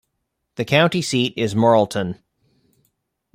The county seat is Morrilton.